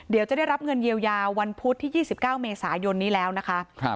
เดี๋ยวจะได้รับเงินเยียวยาวันพุธที่๒๙เมษายนนี้แล้วนะคะ